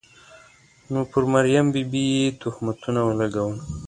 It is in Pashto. نو پر مریم بي بي یې تهمتونه ولګول.